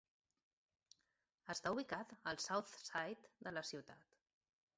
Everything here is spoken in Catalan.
Està ubicat al "South Side" de la ciutat.